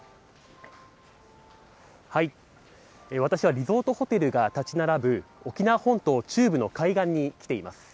私はリゾートホテルが建ち並ぶ、沖縄本島中部の海岸に来ています。